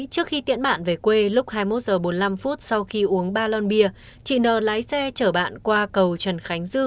trước khi tiễn bạn về quê lúc hai mươi một h bốn mươi năm sau khi uống ba lon bia chị nờ lái xe chở bạn qua cầu trần khánh dư